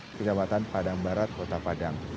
kecamatan padang barat kota padang